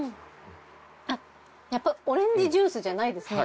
あっやっぱオレンジジュースじゃないですね。